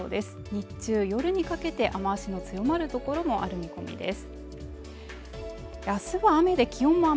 日中夜にかけて雨脚の強まるところもある見込みです。